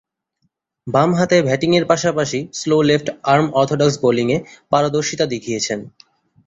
বামহাতে ব্যাটিংয়ের পাশাপাশি স্লো লেফট-আর্ম অর্থোডক্স বোলিংয়ে পারদর্শীতা দেখিয়েছেন।